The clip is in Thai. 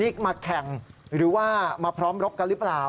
มาแข่งหรือว่ามาพร้อมรบกันหรือเปล่า